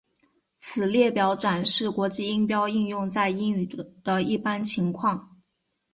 此列表展示国际音标应用在英语的一般情况。